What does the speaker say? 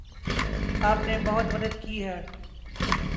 آپ نے بہت مدد کی ہے